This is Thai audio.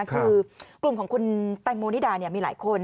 คือกลุ่มของคุณแตงโมนิดามีหลายคน